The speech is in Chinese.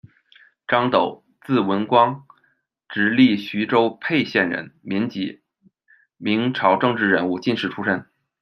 张斗，字文光，直隶徐州沛县人，民籍，明朝政治人物、进士出身。